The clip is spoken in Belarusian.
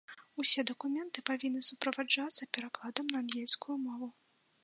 Усе дакументы павінны суправаджацца перакладам на ангельскую мову.